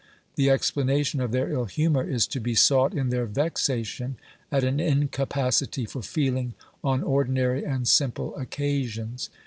The explanation of their ill humour is to be sought in their vexation at an incapacity for feeling on ordi nary and simple occasions.